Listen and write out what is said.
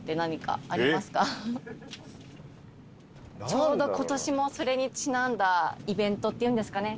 ちょうど今年もそれにちなんだイベントっていうんですかね？